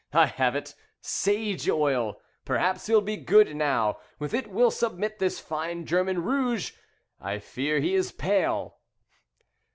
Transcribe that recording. I have it, 'Sage Oil', perhaps he'll be good now; with it we'll submit This fine German rouge. I fear he is pale."